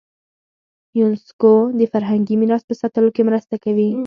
یونسکو د فرهنګي میراث په ساتلو کې مرسته کوي.